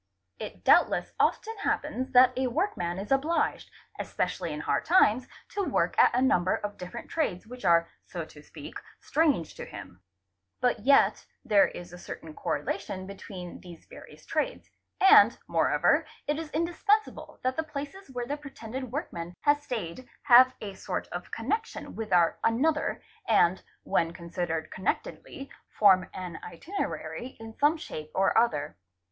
It doubtless often happens that a workman is obliged, especially in hard times, to work at a number of different trades which are, so to speak, strange to him, but yet there is a certain co relation between these various trades, and more over it is indispensable that the places where the pretended workmen has stayed have a sort of connection with our another and, when considered connectedly, form an itinerary in some shape or other.